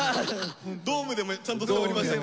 ドームでもちゃんと通りましたか。